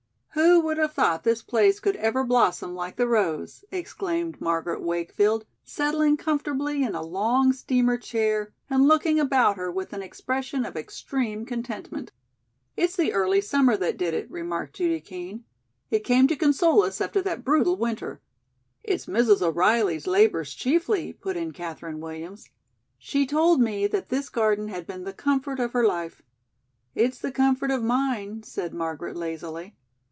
"Who would have thought this place could ever blossom like the rose," exclaimed Margaret Wakefield, settling comfortably in a long steamer chair and looking about her with an expression of extreme contentment. "It's the early summer that did it," remarked Judy Kean. "It came to console us after that brutal winter." "It's Mrs. O'Reilly's labors chiefly," put in Katherine Williams. "She told me that this garden had been the comfort of her life." "It's the comfort of mine," said Margaret lazily.